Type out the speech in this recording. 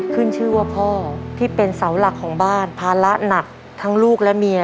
ขึ้นชื่อว่าพ่อที่เป็นเสาหลักของบ้านภาระหนักทั้งลูกและเมีย